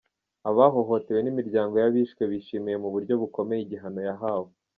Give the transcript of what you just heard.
Abahohotewe n’imiryango y’abishwe bishimiye mu buryo bukomeye igihano yahawe.